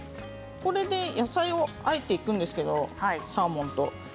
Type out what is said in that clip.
それで野菜をあえていくんですけれどサーモンと。